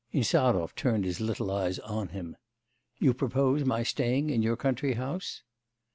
Insarov turned his little eyes on him. 'You propose my staying in your country house?